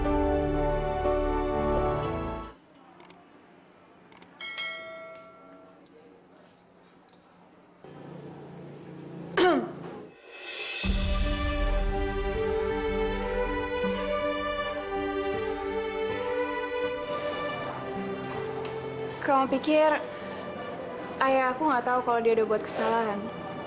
kamu pikir ayah aku nggak tahu kalau dia udah buat kesalahan